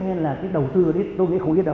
nên là cái đầu tư ở đây tôi nghĩ không ít đâu